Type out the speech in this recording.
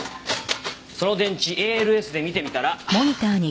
その電池ＡＬＳで見てみたら。